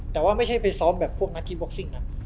แต่ว่าไม่ใช่ไปซ้อมแบบพวกนักคิดบ็อกซิ่งนะ